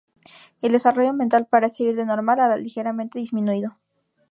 El desarrollo mental parece ir de normal a ligeramente disminuido.